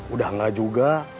udah enggak juga